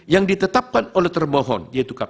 yang diadil oleh pemohon